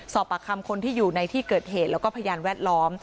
คนที่อยู่ในที่เกิดเหตุแล้วก็พยานแวดล้อม